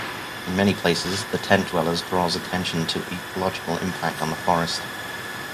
In many places "The Tent Dwellers" draws attention to ecological impact on the forest.